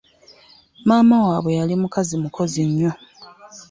Maama wabwe yali mukazi mukozi nnyo.